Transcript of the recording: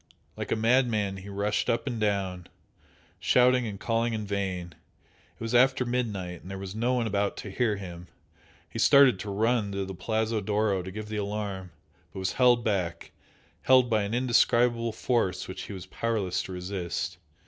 Like a madman he rushed up and down, shouting and calling in vain it was after midnight and there was no one about to hear him. He started to run to the Palazzo d'Oro to give the alarm but was held back held by an indescribable force which he was powerless to resist.